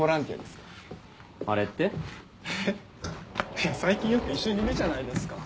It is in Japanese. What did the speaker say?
いや最近よく一緒にいるじゃないですか。